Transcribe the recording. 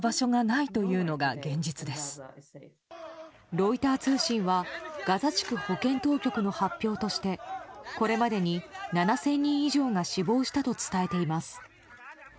ロイター通信はガザ地区保健当局の発表としてこれまでに７０００人以上が死亡したと伝えています。